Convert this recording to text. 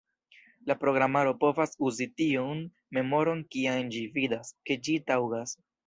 La programaro povas uzi tiun memoron kiam ĝi vidas, ke ĝi taŭgas.